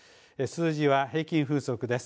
数字は平均風速です。